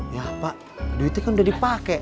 ya pak duitnya kan udah dipake